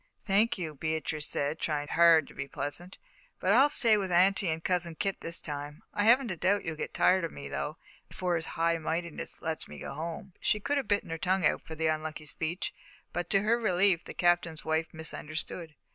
"Thank you," Beatrice said, trying hard to be pleasant; "but I'll stay with Aunty and Cousin Kit this time. I haven't a doubt you'll get tired of me, though, before His High Mightiness lets me go home." She could have bitten her tongue out for the unlucky speech, but, to her relief, the Captain's wife misunderstood.